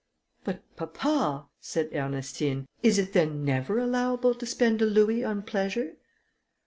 "But, papa," said Ernestine, "is it then never allowable to spend a louis on pleasure?"